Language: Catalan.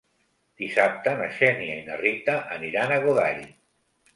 Dissabte na Xènia i na Rita aniran a Godall.